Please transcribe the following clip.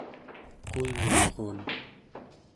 qulngurun